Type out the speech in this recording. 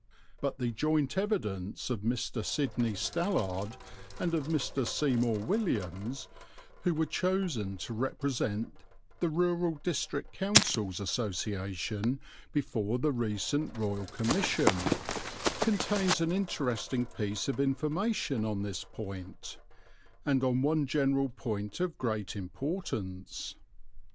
But the joint evidence of Mr. Sidney Stallard and of Mr. Seymour Williams, who were chosen to represent the Rural District Councils Association before the recent Royal Commission, contains an interesting piece of information on this point, and on one general point of great importance.